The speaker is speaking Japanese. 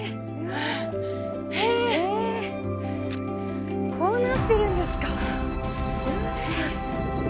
へえこうなってるんですか。